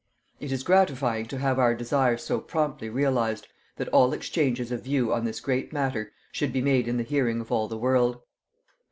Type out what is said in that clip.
It is gratifying to have our desire so promptly realized that all exchanges of view on this great matter should be made in the hearing of all the world.